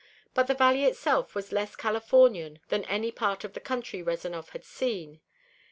But the valley itself was less Californian than any part of the country Rezanov had seen.